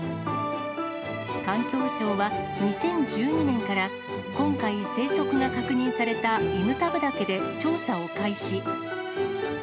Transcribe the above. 環境省は、２０１２年から、今回、生息が確認された犬田布岳で調査を開始。